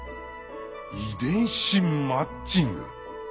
遺伝子マッチング？